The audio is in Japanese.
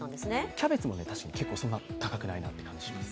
キャベツも確かに結構高くないなという感じはします。